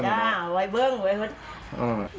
จ้าไว้เบิ้งไว้วันนี่